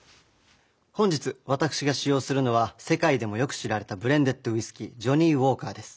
本日私が使用するのは世界でもよく知られたブレンデッドウイスキージョニーウォーカーです。